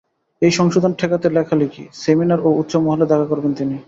এই সংশোধন ঠেকাতে লেখালেখি, সেমিনার ও উচ্চ মহলে দেখা করবেন তিনি।